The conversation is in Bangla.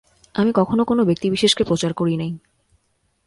আমি কখনও কোন ব্যক্তিবিশেষকে প্রচার করি নাই।